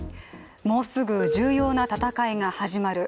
もうすぐ重要な戦いが始まる。